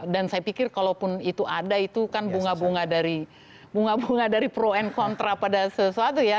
dan saya pikir kalau pun itu ada itu kan bunga bunga dari pro and contra pada sesuatu ya